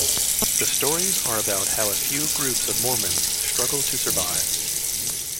The stories are about how a few groups of Mormons struggle to survive.